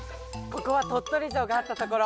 ここは鳥取城があったところ。